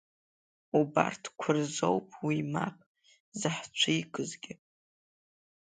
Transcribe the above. Убарҭқәа рзоуп уи мап заҳцәикызгьы.